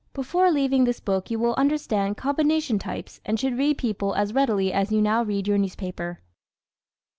Before leaving this book you will understand combination types and should read people as readily as you now read your newspaper.